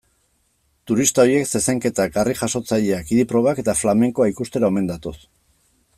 Turista horiek zezenketak, harri-jasotzaileak, idi-probak eta flamenkoa ikustera omen datoz.